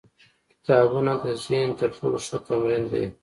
کتابونه د ذهن تر ټولو ښه تمرین دی.